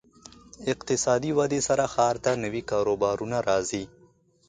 اقتصادي ودې سره ښار ته نوي کاروبارونه راځي.